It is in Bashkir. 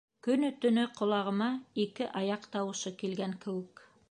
Көнө-төнө ҡолағыма ике аяҡ тауышы килгән кеүек...